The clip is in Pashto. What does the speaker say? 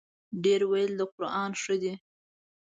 ډېر ویل د قران ښه دی.